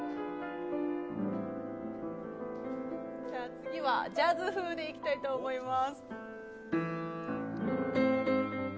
次はジャズ風でいきたいと思います。